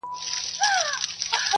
o چي غل نه تښتي مل دي وتښتي٫